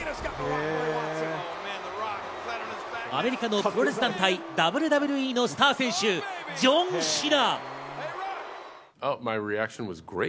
アメリカのプロレス団体、ＷＷＥのスター選手、ジョン・シナ。